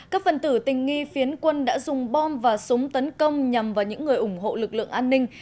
các phần tử tình nghi phiến quân đã dùng bom và súng tấn công nhằm vào những người ủng hộ lực lượng an ninh